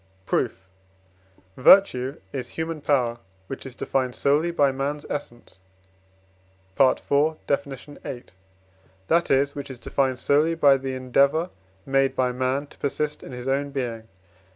Proof. Virtue is human power, which is defined solely by man's essence (IV. Def. viii.), that is, which is defined solely by the endeavour made by man to persist in his own being.